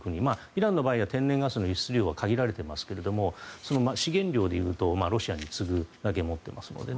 イランの場合は天然ガスの輸出量は限られていますが資源量で言うとロシアに次ぐものを持っていますので。